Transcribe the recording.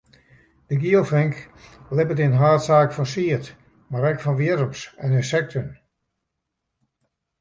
De gielfink libbet yn haadsaak fan sied, mar ek fan wjirms en ynsekten.